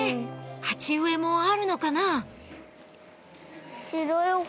鉢植えもあるのかな？